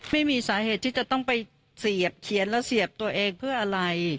ไม่มีสาเหตุที่จะต้องไปเสียบเขียนแล้วเสียบตัวเองเพื่ออะไร